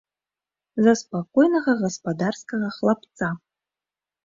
За спакойнага гаспадарскага хлапца.